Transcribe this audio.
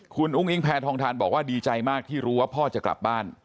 คุณอุ้งอิงแพทองทานบอกว่าดีใจมากที่รู้ว่าพ่อจะกลับบ้าน